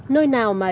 nơi nào mà